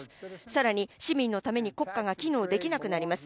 更に、市民のために国家が機能できなくなります。